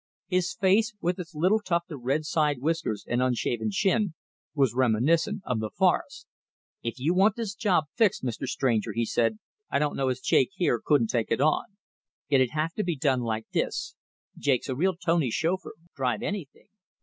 His face, with its little tuft of red side whiskers and unshaven chin, was reminiscent of the forests. "If you want this job fixed, Mr. Stranger," he said, "I don't know as Jake here couldn't take it on. It'd have to be done like this. Jake's a real toney chauffeur drive anything.